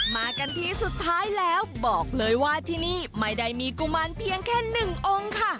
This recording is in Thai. มากันที่สุดท้ายแล้วบอกเลยว่าที่นี่ไม่ได้มีกุมารเพียงแค่หนึ่งองค์ค่ะ